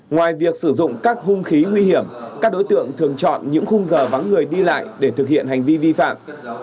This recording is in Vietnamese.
ngoài việc sử dụng các hung khí nguy hiểm các đối tượng thường chọn những khung giờ vắng người đi lại để thực hiện hành vi vi phạm